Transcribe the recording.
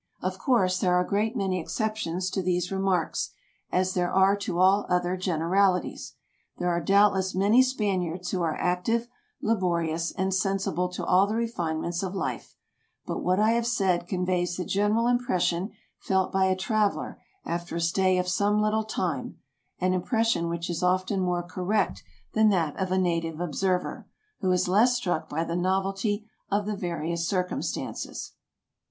Of course, there are a great many exceptions to these re marks, as there are to all other generalities. There are doubtless many Spaniards who are active, laborious, and sensible to all the refinements of life, but what I have said conveys the general impression felt by a traveler after a stay of some little time — an impression which is often more correct than that of a native observer, who is less struck by the novelty of the various circumstances.